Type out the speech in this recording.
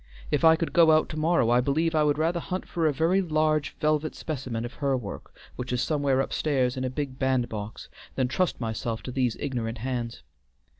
If I could go out to morrow I believe I would rather hunt for a very large velvet specimen of her work, which is somewhere upstairs in a big bandbox, than trust myself to these ignorant hands.